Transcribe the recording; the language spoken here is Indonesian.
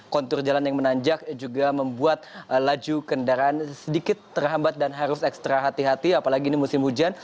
kontur jalan yang menanjak juga membuat laju kendaraan sedikit terhambat dan harus ekstra hati hati apalagi ini musim hujan